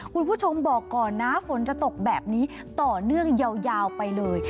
คุณผู้ชมบอกก่อนนะฝนจะตกแบบนี้ต่อเนื่องยาวไปเลย